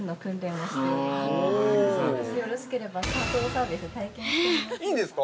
もし、よろしければカートのサービス体験してみますか？